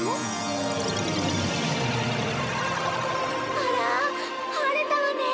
あら晴れたわね！